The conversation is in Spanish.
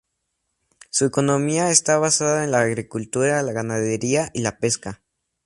Su economía está basada en la agricultura, la ganadería y la pesca.